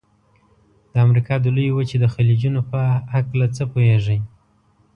د امریکا د لویې وچې د خلیجونو په هلکه څه پوهیږئ؟